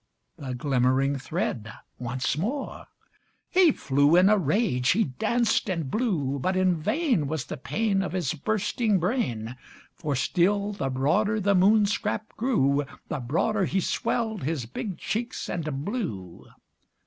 The glimmering thread once more! He flew in a rage ŌĆö he danced and blew; But in vain Was the pain Of his bursting brain; For still the broader the MoonŌĆöscrap grew, The broader he swelled his big cheeks and blew.